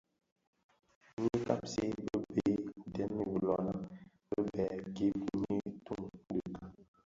Ňyi kabsi bë bëë dèm bilona bibèè gib nyi tum dhiki.